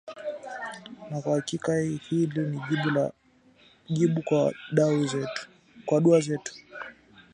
Na kwa hakika hili ni jibu kwa dua zetu